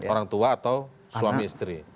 orang tua atau suami istri